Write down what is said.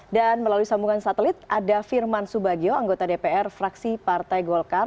dan melalui sambungan satelit ada firman subagio anggota dpr fraksi partai golkar